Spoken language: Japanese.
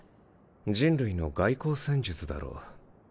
人類の外交戦術だろう。